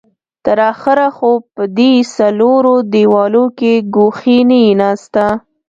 تر اخره خو به په دې څلورو دېوالو کې ګوښې نه يې ناسته.